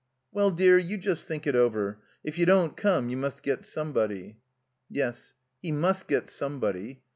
"Well, dear, you just think it over. If you don't come you must get somebody." Yes. He must get somebody.